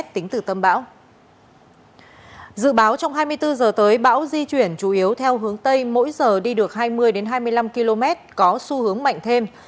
tính từ tâm bão dự báo trong hai mươi bốn giờ tới bão di chuyển chủ yếu theo hướng tây mỗi giờ đi được hai mươi hai mươi năm km có xu hướng mạnh thêm